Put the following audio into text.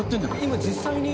今実際に？